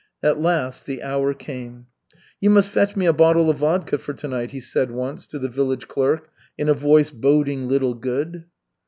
At last the hour came. "You must fetch me a bottle of vodka for to night," he said once to the village clerk in a voice boding little good.